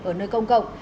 ở nơi công cộng